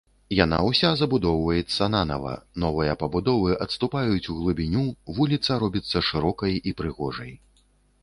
Яна ўся забудоўваецца нанава, новыя пабудовы адступаюць углыбіню, вуліца робіцца шырокай і прыгожай.